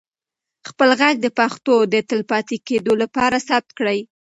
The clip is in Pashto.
خپل ږغ د پښتو د تلپاتې کېدو لپاره ثبت کړئ.